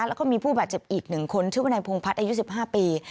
แล้วก็มีผู้บาดเจ็บอีก๑คนชื่อวนายพงพัฒน์อายุ๑๕ปี